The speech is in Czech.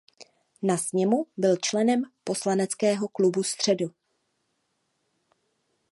Na sněmu byl členem poslaneckého klubu středu.